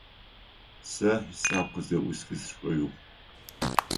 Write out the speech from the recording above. Сэ хьисап къызэӏусхы сшӏоигъу.